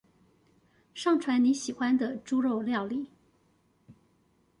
上傳你喜歡的豬肉料理